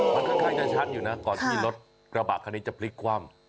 มันค่อนข้างจะชัดอยู่นะก่อนที่รถกระบะคันนี้จะพลิกคว่ำ